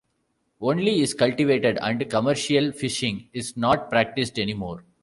Only is cultivated and commercial fishing is not practised anymore.